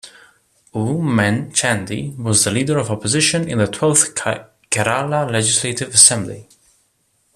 Oommen Chandy was the leader of opposition in the twelfth Kerala Legislative Assembly.